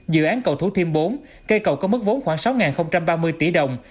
dự án cầu thú thêm bốn cây cầu có mức vốn khoảng sáu ba mươi tỷ đồng